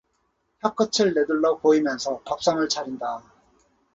혀끝을 내둘러 보이면서 밥상을 차린다.